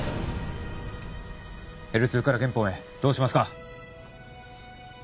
Ｌ２からゲンポンへどうしますか？